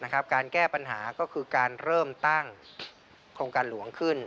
การแก้ปัญหาก็คือการเริ่มตั้งโครงการหลวงขึ้น